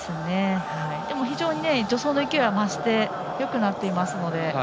非常に助走の勢いは増してよくなっていますので。